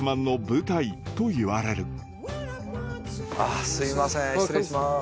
あすいません失礼します。